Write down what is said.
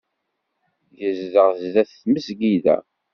Yezdeɣ sdat tmesgida.